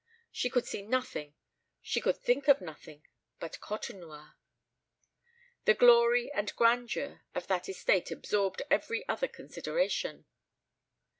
She could see nothing, she could think of nothing, but Côtenoir. The glory and grandeur of that estate absorbed every other consideration.